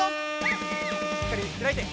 しっかり開いて。